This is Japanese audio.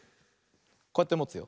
こうやってもつよ。